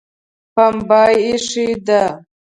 پمبه ایښې ده